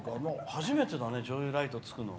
初めてだね、女優ライトつくの。